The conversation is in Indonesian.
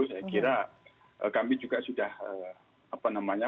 saya kira kami juga sudah apa namanya